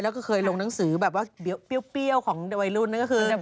แล้วก็เคยลงหนังสือแบบว่าเปรี้ยวของวัยรุ่นนั่นก็คือ